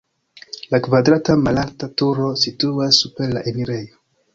La kvadrata malalta turo situas super la enirejo.